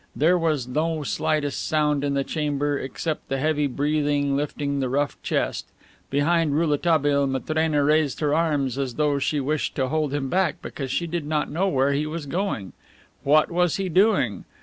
There was no slightest sound in the chamber, except the heavy breathing lifting the rough chest. Behind Rouletabille Matrena raised her arms, as though she wished to hold him back, because she did not know where he was going. What was he doing?